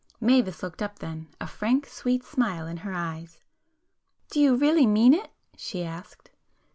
Mavis looked up then, a frank sweet smile in her eyes. "Do you really mean it?" she asked.